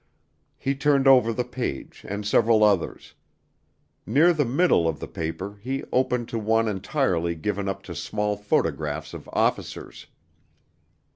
He turned over the page and several others. Near the middle of the paper he opened to one entirely given up to small photographs of officers.